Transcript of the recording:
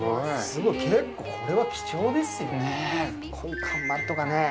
すごい結構これは貴重ですよねえ